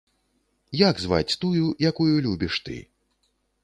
Як зваць тую, якую любіш ты?